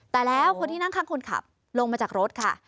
แต่แล้วคนที่นั่งข้างคนขับลงมาจากรถค่ะ